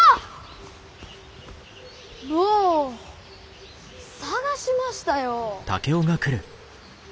坊捜しましたよ！